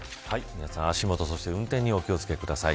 皆さん、足下そして運転でお気を付けください。